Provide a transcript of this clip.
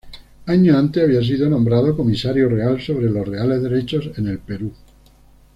Años antes había sido nombrado Comisario Real sobre los reales derechos en el Perú.